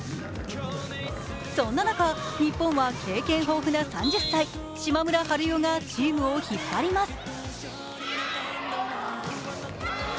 そんな中、日本は経験豊富は３０歳島村春世がチームを引っ張ります。